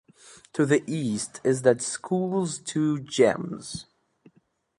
To the east is the school's two gyms.